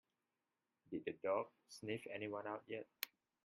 Did the dog sniff anyone out yet?